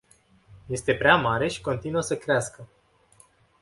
Este prea mare și continuă să crească.